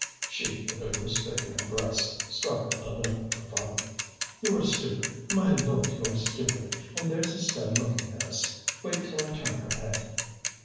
She, with her loose figure and breast, struggled a little for fun. "You are stupid! My Lord! you are stupid! And there's Estelle looking at us. Wait till I turn her head."